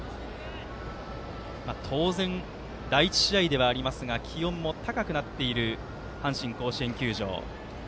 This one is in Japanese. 当然、第１試合ではありますが気温も高くなっている阪神甲子園球場。